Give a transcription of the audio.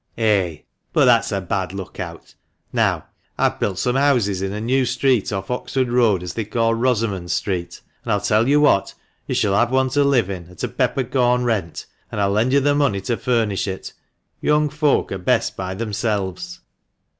" Eh ! but that's a bad look out. Now, I've built some houses in a new street off Oxford Road as they call Rosamond Street, an' I'll tell you what, you shall have one to live in at a peppercorn rent, and I'll lend you the money to furnish it. Young folk are best by themselves."